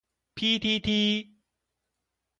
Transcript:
批踢踢